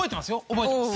覚えてます。